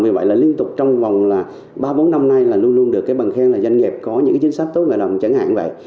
vì vậy là liên tục trong vòng là ba bốn năm nay là luôn luôn được cái bằng khen là doanh nghiệp có những chính sách tốt ngày đồng chẳng hạn vậy